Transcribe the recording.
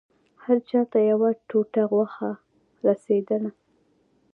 هر چا ته يوه ټوټه غوښه رسېدله.